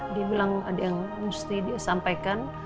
dia bilang ada yang mesti dia sampaikan